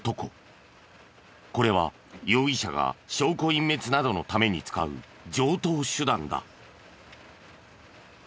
これは容疑者が証拠隠滅などのために使う常套手段だ。